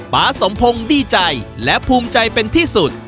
๊าสมพงศ์ดีใจและภูมิใจเป็นที่สุด